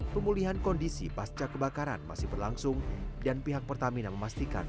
pemulihan kondisi pasca kebakaran masih berlangsung dan pihak pertamina memastikan